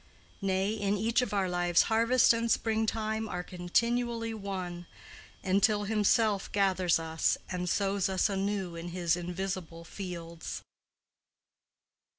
Nay, in each of our lives harvest and spring time are continually one, until himself gathers us and sows us anew in his invisible fields.